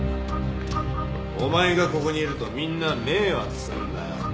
お前がここにいるとみんな迷惑するんだよ。